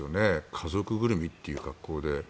家族ぐるみという格好で。